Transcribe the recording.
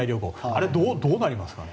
あれはどうなりますかね？